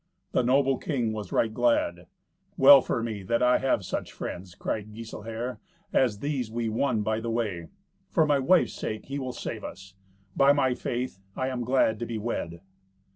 The noble king was right glad. "Well for me that I have such friends," cried Giselher, "as these we won by the way! For my wife's sake he will save us. By my faith, I am glad to be wed."